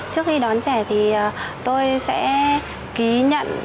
trước khi đón trẻ thì tôi sẽ ký nhật